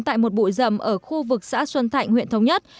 tại một bụi rầm ở khu vực xã xuân thạnh huyện thống nhất